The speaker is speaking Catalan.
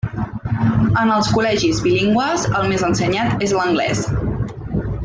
En els col·legis bilingües el més ensenyat és l'anglès.